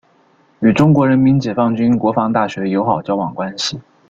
与中国人民解放军国防大学友好交往关系。